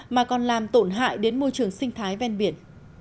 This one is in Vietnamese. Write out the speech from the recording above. mà còn làm tổn hại đến môi trường sinh thái ven biển